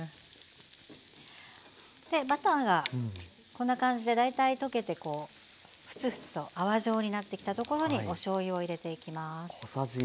でバターがこんな感じで大体溶けてこうフツフツと泡状になってきたところにおしょうゆを入れていきます。